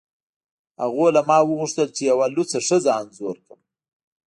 هغوی له ما وغوښتل چې یوه لوڅه ښځه انځور کړم